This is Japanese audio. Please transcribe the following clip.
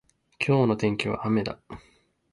今日の天気は雨だ。